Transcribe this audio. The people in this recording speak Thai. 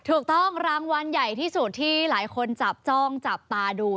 ถูกต้องรางวัลใหญ่ที่สุดที่หลายคนจับจ้องจับตาดู